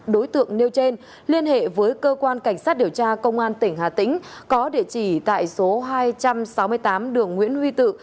đối tượng nêu trên liên hệ với cơ quan cảnh sát điều tra công an tỉnh hà tĩnh có địa chỉ tại số hai trăm sáu mươi tám đường nguyễn huy tự